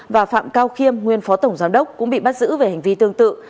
và phạm cao khiêm nguyên phó tổng giám đốc cũng bị bắt giữ về hành vi tương tự